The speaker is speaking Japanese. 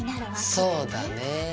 そうだねぇ。